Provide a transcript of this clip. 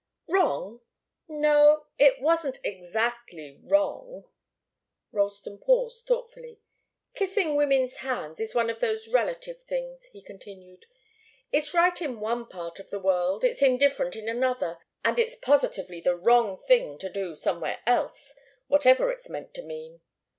"Wrong? No; it wasn't exactly wrong." Ralston paused thoughtfully. "Kissing women's hands is one of those relative things," he continued. "It's right in one part of the world, it's indifferent in another, and it's positively the wrong thing to do somewhere else whatever it's meant to mean.